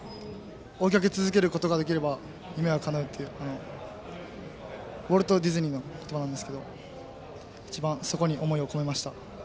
「追いかけ続けることができれば夢はかなう」というウォルト・ディズニーの言葉なんですけれど一番そこに思いを込めました。